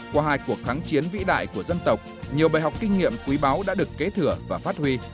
qua hai cuộc kháng chiến vĩ đại của dân tộc nhiều bài học kinh nghiệm quý báu đã được kế thừa và phát huy